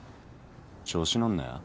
調子乗んなよ